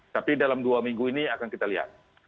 tapi dalam dua minggu ini akan kita lihat